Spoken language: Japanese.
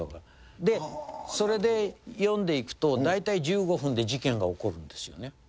で、それで読んでいくと、大体１５分で事件が起こるんですよね。